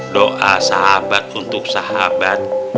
doa sahabat untuk sahabat